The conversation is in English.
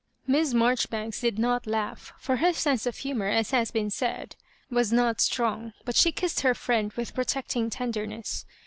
Miss Marjoribanks did not laug^ for her sense of humour, as has been said, was not strong, but she kissed her friend with protecting tenderness.